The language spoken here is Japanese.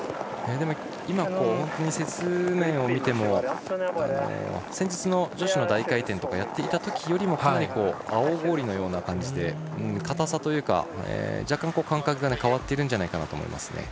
今、雪面を見ても先日の女子の大回転とかをやっていたときよりもかなり青氷のような感じでかたさというか若干感覚が変わっているんじゃないかなと思います。